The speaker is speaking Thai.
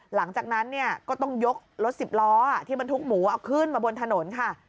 หลังจากนั้นเนี่ยก็ต้องยกรถสิบล้อที่บรรทุกหมูเอาขึ้นมาบนถนนค่ะ